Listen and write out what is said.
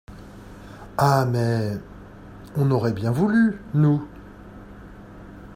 Ah mais, on aurait bien voulu, nous.